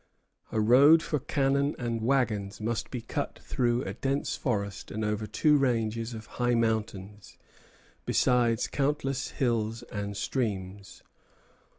A road for cannon and wagons must be cut through a dense forest and over two ranges of high mountains, besides countless hills and streams.